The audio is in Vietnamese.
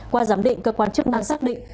qua giám định cơ quan chức năng xác định